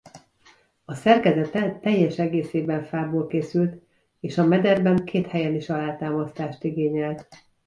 A szerkezete teljes egészében fából készült és a mederben két helyen is alátámasztást igényelt.